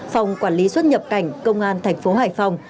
phòng quản lý xuất nhập cảnh công an thành phố hải phòng